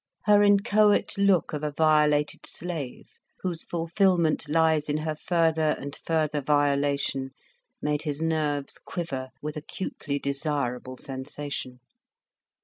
Her inchoate look of a violated slave, whose fulfilment lies in her further and further violation, made his nerves quiver with acutely desirable sensation.